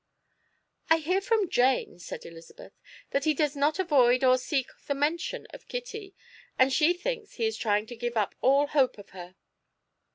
"I hear from Jane," said Elizabeth, "that he does not avoid or seek the mention of Kitty, and she thinks he is trying to give up all hope of her."